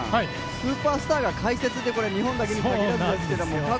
スーパースターが解説って解説で日本だけに限らずですけども。